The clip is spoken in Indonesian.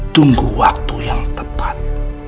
tunggu waktu yang tepat